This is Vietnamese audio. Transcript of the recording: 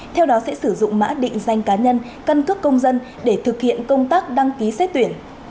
theo đó sẽ sử dụng mã định danh cá nhân căn cước công dân để thực hiện công tác đăng ký xét tuyển